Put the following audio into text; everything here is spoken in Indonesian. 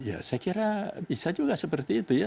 ya saya kira bisa juga seperti itu ya